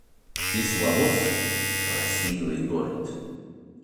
Кисловодск — красивый город